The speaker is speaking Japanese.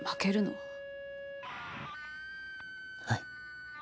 はい。